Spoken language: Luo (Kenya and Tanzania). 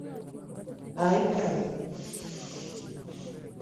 Ai kanyo!